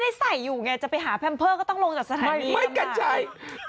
ดรอะไรนี้เด็กชาย